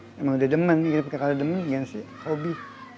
memang udah demen hidup kekal demen iya sih hobi